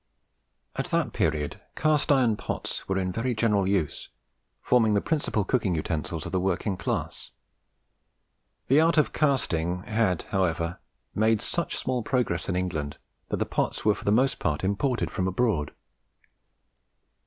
At that period cast iron pots were in very general use, forming the principal cooking utensils of the working class. The art of casting had, however, made such small progress in England that the pots were for the most part imported from abroad.